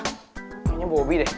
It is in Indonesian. kayaknya bobi deh